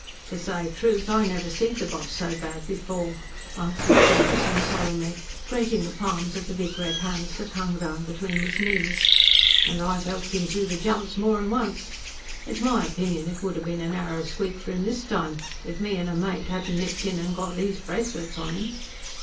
"To say trewth, I never see'd the boss so bad before," answered Saunderson solemnly, grating the palms of the big red hands that hung down between his knees. "And I've helped him through the jumps more'n once. It's my opinion it would ha' been a narrow squeak for him this time, if me and a mate hadn't nipped in and got these bracelets on him.